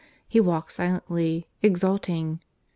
He walked silently exulting.